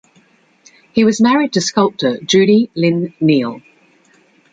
He was married to sculptor Judy Lynn Neal.